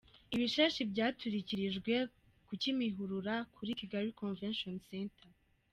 Ibishashi byaturikirijwe ku Kimihurura kuri Kigali Convention Center.